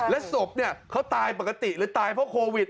และศพเขาตายปกติหรือตายเพราะโควิด